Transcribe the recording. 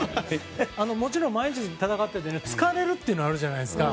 もちろん毎日戦っていて疲れもあるじゃないですか。